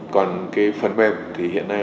còn cái phần mềm thì hiện nay